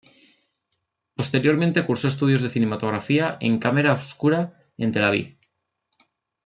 Posteriormente cursó estudios de Cinematografía en Camera Obscura en Tel Aviv.